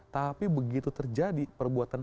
tapi begitu terjadi perbuatan